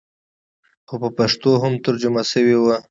خو په پښتو هم ترجمه سوې وې.